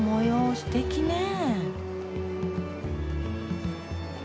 すてきねえ。